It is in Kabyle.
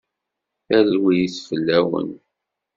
Talwit fell-awen.